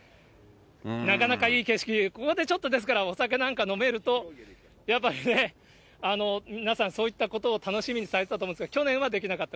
なかなかいい景色、ここでちょっと、ですから、お酒なんか飲めると、やっぱりね、皆さん、そういったことを楽しみにされてたと思うんですが、去年はできなかった。